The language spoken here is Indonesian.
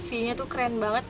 ternyata view nya keren banget